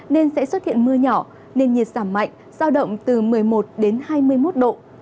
nên sẽ xuất hiện mưa nhỏ nền nhiệt giảm mạnh giao động từ một mươi một đến hai mươi một độ